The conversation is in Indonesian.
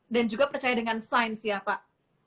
dan juga percaya dengan science ya pak